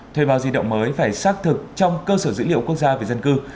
thuê bao di động mới phải xác thực trong cơ sở dữ liệu quốc gia về dân cư